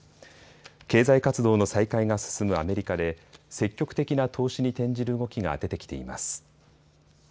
経済活動の再開が進むアメリカで積極的な投資に転じる動きが出てきています。